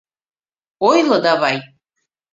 Ойло давай!